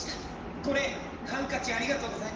これハンカチありがとうございました」。